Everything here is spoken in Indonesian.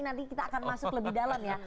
nanti kita akan masuk lebih dalam ya